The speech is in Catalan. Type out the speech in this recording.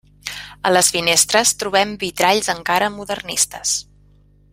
A les finestres trobem vitralls encara modernistes.